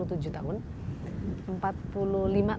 empat puluh lima tahun mungkin dalam hal mengelola perusahaan